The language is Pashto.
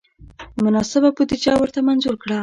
مناسبه بودجه ورته منظور کړه.